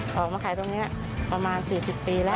ออกมาขายตรงนี้ประมาณ๔๐ปีแล้ว